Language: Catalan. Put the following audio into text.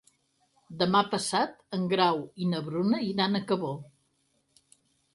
Demà passat en Grau i na Bruna iran a Cabó.